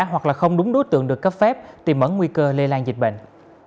hoặc không đúng đối tượng được cấp phép tìm ẩn nguy cơ lây lan dịch bệnh